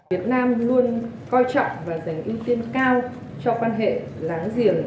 việt nam luôn coi trọng và dành ưu tiên cao cho quan hệ láng giềng